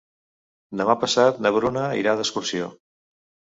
Demà passat na Bruna irà d'excursió.